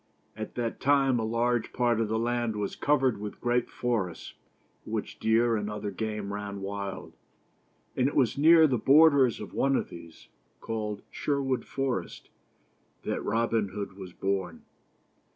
At that time a large part of the land was covered with great forests, in which deer and other game ran wild ; and it was near the borders of one of these, called Sher wood Forest, that Robin Hood was born.